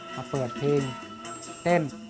มาเปิดเพลงเต้น